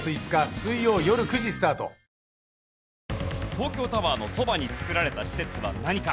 東京タワーのそばに作られた施設は何か？